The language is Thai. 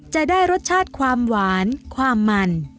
จะได้รสชาติความหวานความมัน